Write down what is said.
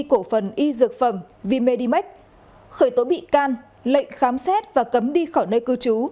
cổ phần y dược phẩm v medimax khởi tố bị can lệnh khám xét và cấm đi khỏi nơi cư trú